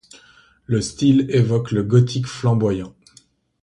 Le style évoque le gothique flamboyant.